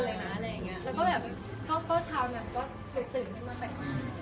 แล้วก็เช้าก็ตื่นไม่มาแต่ค่อนข้าง